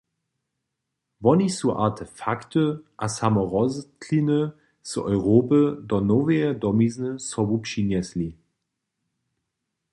Woni su artefakty a samo rostliny z Europy do noweje domizny sobu přinjesli.